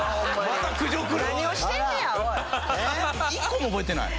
１個も覚えてない？